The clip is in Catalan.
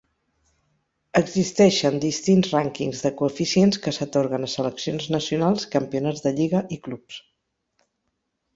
Existeixen distints rànquings de coeficients que s'atorguen a seleccions nacionals, campionats de lliga i clubs.